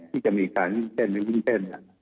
ที่จะมีค่ายุ่งเต้นไม่ยุ่งเต้นอ่ะ